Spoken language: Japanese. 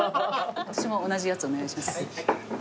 私も同じやつお願いします。